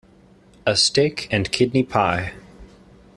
A steak-and-kidney pie.